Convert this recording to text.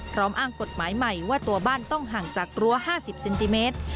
อ้างกฎหมายใหม่ว่าตัวบ้านต้องห่างจากรั้ว๕๐เซนติเมตร